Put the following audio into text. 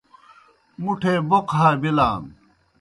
مُٹھے بَوْقہ ہا بِلان۔